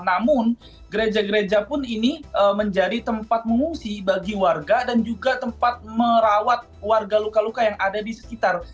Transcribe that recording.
namun gereja gereja pun ini menjadi tempat mengungsi bagi warga dan juga tempat merawat warga luka luka yang ada di sekitar